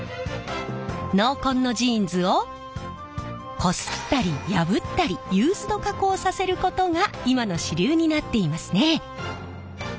濃紺のジーンズをこすったり破ったりユーズド加工させることが今の主流になっていますね。